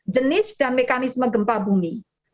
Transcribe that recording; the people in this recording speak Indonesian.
jenis dan mekanisme gempa bumi